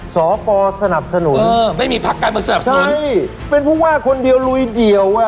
สกสนับสนุนใช่เป็นผู้ว่าคนเดียวลุยเดียวอ่ะ